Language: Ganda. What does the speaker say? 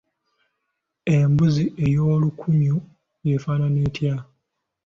Embuzi ey’olukunyu y'efaanana etya?